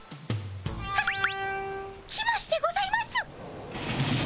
はっ来ましてございます。